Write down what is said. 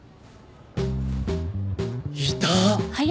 いた！